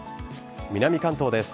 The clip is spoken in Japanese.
南関東です。